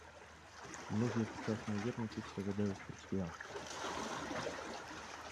Многія сучасныя вернікі спавядаюць хрысціянства.